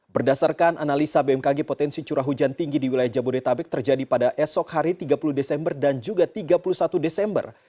berdasarkan analisa bmkg potensi curah hujan tinggi di wilayah jabodetabek terjadi pada esok hari tiga puluh desember dan juga tiga puluh satu desember